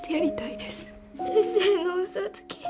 先生の嘘つき。